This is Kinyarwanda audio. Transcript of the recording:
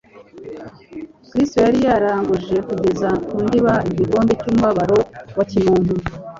Kristo yari yiranguje kugeza ku ndiba igikombe cy'umubabaro wa kimuntu.